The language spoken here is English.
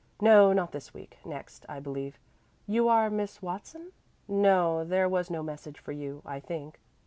No, not this week; next, I believe. You are Miss Watson? No, there was no message for you, I think."